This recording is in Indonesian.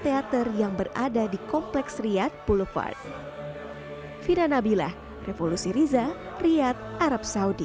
teater yang berada di kompleks riyadh boulevard fira nabilah revolusi riza riyadh arab saudi